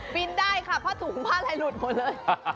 ได้ค่ะผ้าถุงผ้าอะไรหลุดหมดเลย